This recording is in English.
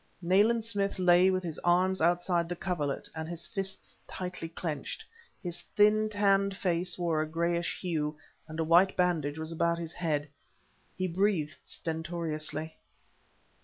Nayland Smith lay with his arms outside the coverlet and his fists tightly clenched. His thin, tanned face wore a grayish hue, and a white bandage was about his head. He breathed stentoriously.